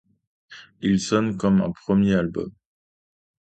Il sonne comme un premier album.